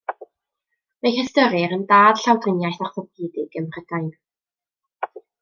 Fe'i hystyrir yn dad llawdriniaeth orthopedig ym Mhrydain.